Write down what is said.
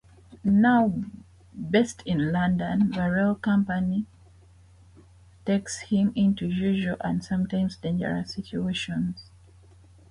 Now based in London, Varela's company takes him into unusual and sometimes dangerous situations.